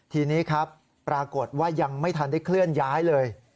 ทีนี้ครับปรากฏว่ายังไม่ทันได้เคลื่อนย้ายเลย